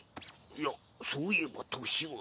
いやそういえば年は。